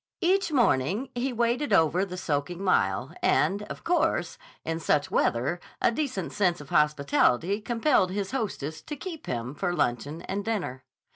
Each morning he waded over the soaking mile, and, of course, in such weather a decent sense of hospitality compelled his hostess to keep him for luncheon and dinner.